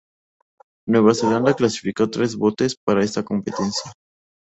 Nueva Zelanda clasificó tres botes para esta competencia.